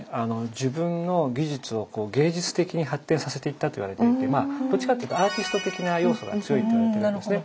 自分の技術を芸術的に発展させていったといわれていてどっちかっていうとアーティスト的な要素が強いって言われてますね。